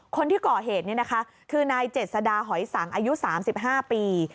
คนที่ก่อเหตุนี้นะคะคือนายเจษดาหอยสังอายุ๓๕ปี